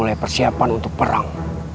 dan memulai persiapan untuk perang